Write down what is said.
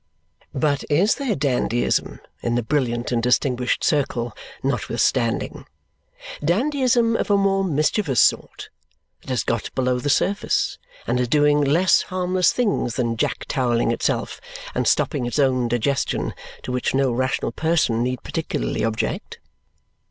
But is there dandyism in the brilliant and distinguished circle notwithstanding, dandyism of a more mischievous sort, that has got below the surface and is doing less harmless things than jack towelling itself and stopping its own digestion, to which no rational person need particularly object?